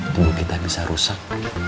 tubuh kita bisa rusak